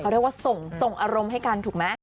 เรียกว่าส่งอารมณ์ให้กันถูกไหม